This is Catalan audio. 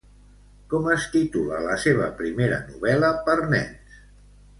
Com es titula la seva primera novel·la per nens?